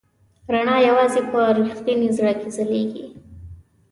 رڼا یواځې په رښتوني زړه کې ځلېږي.